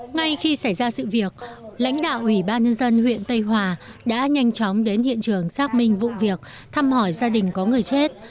ngay khi xảy ra sự việc lãnh đạo ủy ban nhân dân huyện tây hòa đã nhanh chóng đến hiện trường xác minh vụ việc thăm hỏi gia đình có người chết